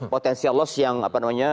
potensial loss yang apa namanya